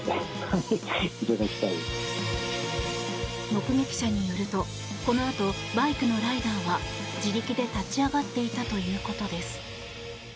目撃者によるとこのあと、バイクのライダーは自力で立ち上がっていたということです。